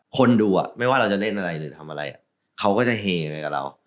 คนดูไม่ว่าเราจะเล่นอะไรหรือทำอะไรเขาก็จะเฮไปกับเรา